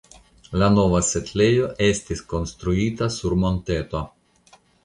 La nova setlejo estis konstruita sur monteto.